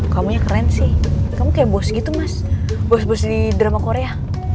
kamunya keren sih kamu kayak bos gitu mas bos bos di drama korea